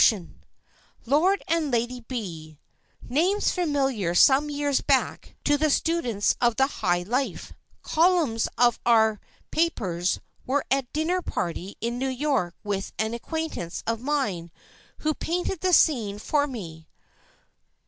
[Sidenote: ENGLISH FRANKNESS] Lord and Lady B——, names familiar some years back to the students of the "high life" columns of our papers, were at a dinner party in New York with an acquaintance of mine who painted the scene for me.